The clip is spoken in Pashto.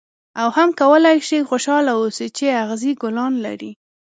او هم کولای شې خوشاله اوسې چې اغزي ګلان لري.